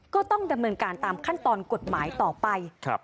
ก็ต้องดำเนินการตามขั้นตอนกฎหมายต่อไป